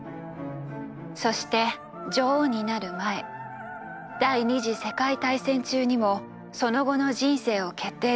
そして女王になる前第二次世界大戦中にもその後の人生を決定